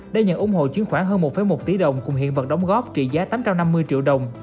đã nhận ủng hộ chuyến khoảng hơn một một tỷ đồng cùng hiện vật đóng góp trị giá tám trăm năm mươi triệu đồng